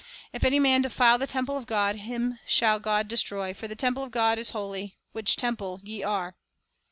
If any man defile the temple of God, him shall God destroy; for the temple of God is holy, which temple ye are."